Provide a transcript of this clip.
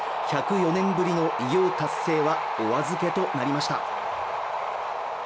１０４年ぶりの偉業達成はお預けとなりました。